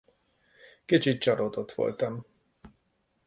Kicsit csalódott voltam.